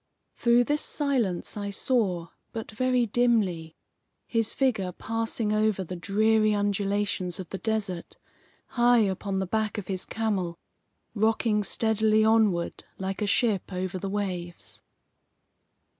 Through this silence I saw, but very dimly, his figure passing over the dreary undulations of the desert, high upon the back of his camel, rocking steadily onward like a ship over the waves.